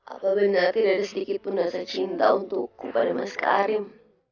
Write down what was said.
apa benar tidak ada sedikit pun rasa cinta untukku pada mas karim